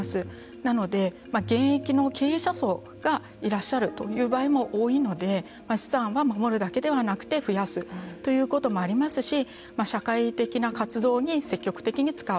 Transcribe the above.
なので、現役の経営者層がいらっしゃるという場合も多いので資産は守るだけではなくて増やすということもありますし社会的な活動に積極的に使う。